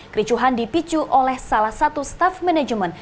kericuhan dipicu oleh salah satu staff manajemen